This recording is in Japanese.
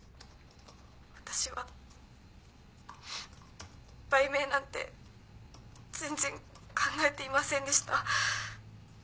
私は売名なんて全然考えていませんでした。